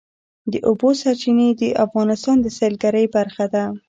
د اوبو سرچینې د افغانستان د سیلګرۍ برخه ده.